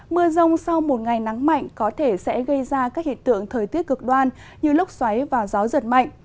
mưa rông sau một ngày nắng mạnh có thể sẽ gây ra các hiện tượng thời tiết cực đoan như lốc xoáy và gió giật mạnh